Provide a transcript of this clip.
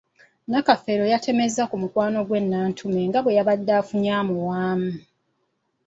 Nakafeero yatemezza ku mukwano gwe Nantume nga bwe yabadde afunye amuwaamu.